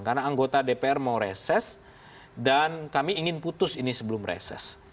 karena anggota dpr mau reses dan kami ingin putus ini sebelum reses